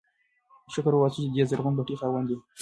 شکر وباسئ چې د دې زرغون پټي خاوندان یئ.